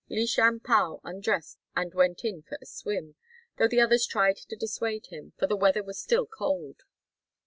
Li Shan Pao undressed and went in for a swim, though the others tried to dissuade him, for the weather was still cold.